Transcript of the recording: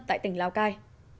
tại tỉnh lào cai